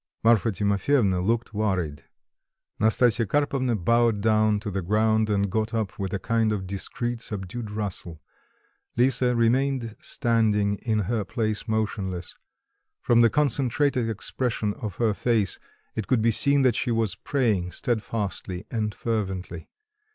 Marfa Timofyevna looked worried; Nastasya Karpovna bowed down to the ground and got up with a kind of discreet, subdued rustle; Lisa remained standing in her place motionless; from the concentrated expression of her face it could be seen that she was praying steadfastly and fervently.